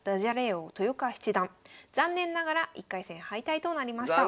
王・豊川七段残念ながら１回戦敗退となりました。